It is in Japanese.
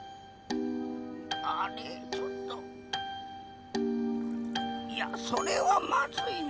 あれちょっといやそれはまずいなぁ。